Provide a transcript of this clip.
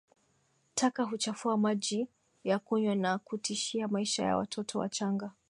Taka huchafua maji ya kunywa na kutishia maisha ya watoto wachanga